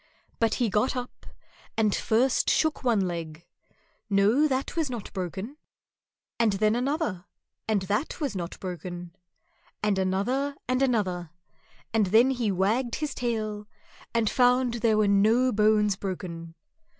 But he got up and first shook one leg no, that was not broken; and then another, and that was not broken; and another and another, and then he wagged his tail and found there were no bones broken.